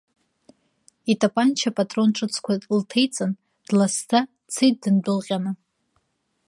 Итапанча апатрон ҿыцқәа лҭеиҵан, дласӡа, дцеит дындәылҟьаны.